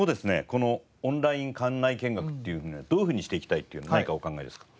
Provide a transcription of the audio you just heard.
このオンライン館内見学っていうものをどういうふうにしていきたいっていうのは何かお考えですか？